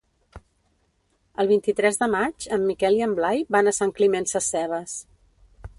El vint-i-tres de maig en Miquel i en Blai van a Sant Climent Sescebes.